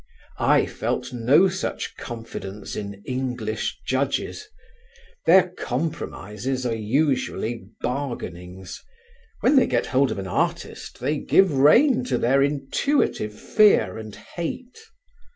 I felt no such confidence in English Judges; their compromises are usually bargainings; when they get hold of an artist they give rein to their intuitive fear and hate.